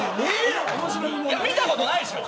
見たことないでしょ。